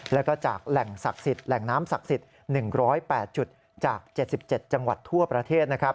และจากแหล่งน้ำศักดิ์ศิษย์๑๐๘จุดจาก๗๗จังหวัดทั่วประเทศ